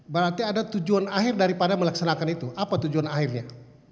berarti ada tujuan akhir daripada melaksanakan itu apa tujuan akhirnya